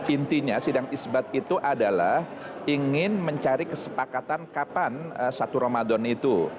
intinya sidang isbat itu adalah ingin mencari kesepakatan kapan satu ramadan itu